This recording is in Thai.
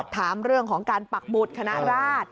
ถามเรื่องของการปักหมุดคณะราช